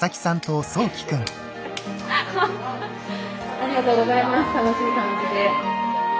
ありがとうございます楽しい感じで。